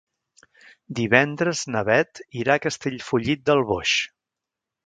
Divendres na Beth irà a Castellfollit del Boix.